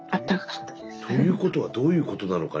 ということはどういうことなのかね。